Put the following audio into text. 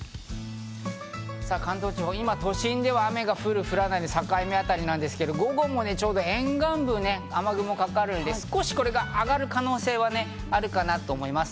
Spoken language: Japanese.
関東地方、今、都心では雨が降る、降らないの境目あたりですが、午後もちょうど沿岸部、雨雲がかかるので、これが少し上がる可能性はあるかなと思います。